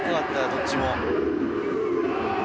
どっちも。